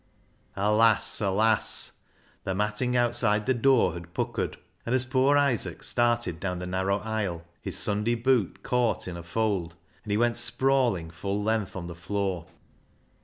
Alas ! alas ! the matting outside the door had puckered, and as poor Isaac started down the narrow aisle, his Sunda}^ boot caught in a fold, and he went sprawling full length on the floor.